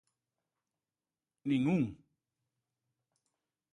¡Nin un!